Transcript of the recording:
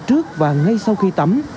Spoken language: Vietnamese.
trước và ngay sau khi tắm